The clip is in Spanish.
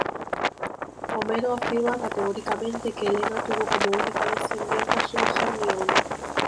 Homero afirma categóricamente que Helena tuvo como única descendiente a su hija Hermíone.